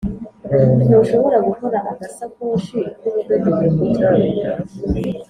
ntushobora gukora agasakoshi k'ubudodo mu gutwi